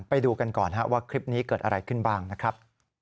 ไปดูกันก่อนว่าคลิปนี้เกิดอะไรขึ้นบ้างนะครับ